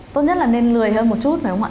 tốt nhất là nên lười hơn một chút phải không ạ